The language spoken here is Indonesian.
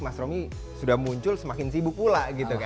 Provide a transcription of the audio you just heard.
mas romi sudah muncul semakin sibuk pula gitu kan